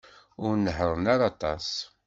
Ur nehhṛen ara aṭas.